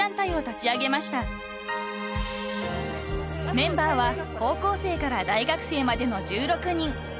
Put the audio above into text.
［メンバーは高校生から大学生までの１６人］